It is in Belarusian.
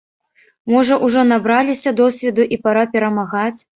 Можа, ужо набраліся досведу і пара перамагаць?